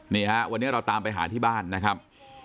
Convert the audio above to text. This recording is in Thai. นี่ฮะวันนี้เราตามไปหาที่บ้านนะครับ